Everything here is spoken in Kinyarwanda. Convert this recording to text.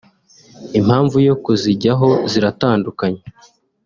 Impamvu yo kuzijyaho ziratandukanye